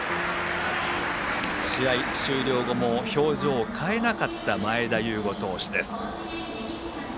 試合終了後も表情を変えなかった前田悠伍投手です。